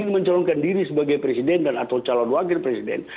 mencalonkan diri sebagai presiden dan atau calon wakil presiden